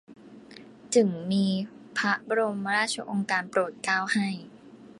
จึ่งมีพระบรมราชโองการโปรดเกล้า ให้